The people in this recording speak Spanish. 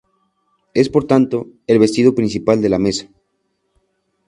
Es por tanto, el vestido principal de la mesa.